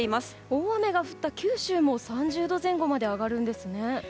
大雨が降った九州も３０度前後まで上がるんですね。